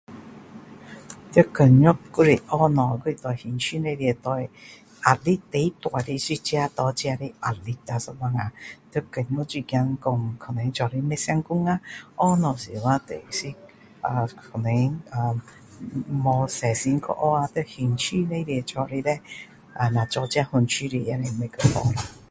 这个工作，还是学东西就是跟兴趣一样对。压力最大是自己给自己的压力。有时候，在工作最怕是说可能做的不成功啊！学东西时担心啊。可能啊，没有小心去学啊！在兴趣里做的呢，那做自己兴趣的是不一样。